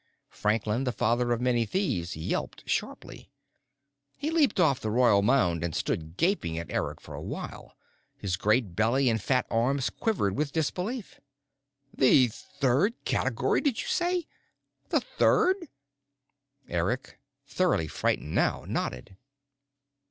Franklin the Father of Many Thieves yelped sharply. He leaped off the Royal Mound and stood gaping at Eric for a while. His great belly and fat arms quivered with disbelief. "The third category, did you say? The third?" Eric, thoroughly frightened now, nodded.